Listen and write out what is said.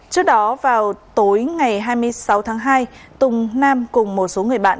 trước đó vào tối ngày hai mươi sáu tháng hai tùng nam cùng một số người bạn